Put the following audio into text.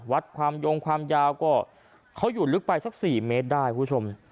วัดความยงความยาวก็เขาอยู่ลึกไปสัก๔เมตรได้คุณผู้ชม